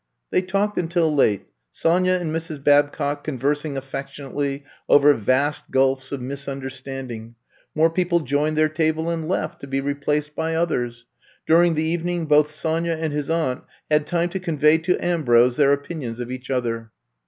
They talked until late; Sonya and Mrs. Babcock conversing affectionately over vast gulfs of misunderstanding. More people joined their table and left, to be re placed by others. During the evening both Sonya and his aunt had time to con vey to Ambrose their opinions of each other.